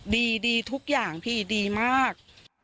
ดีทุกอย่างพี่ดีมาก